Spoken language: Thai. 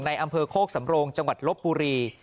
อำเภอโคกสำโรงจังหวัดลบบุรี